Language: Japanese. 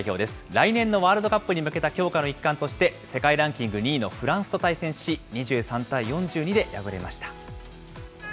来年のワールドカップに向けた強化の一環として、世界ランキング２位のフランスと対戦し、２３対４２で敗れました。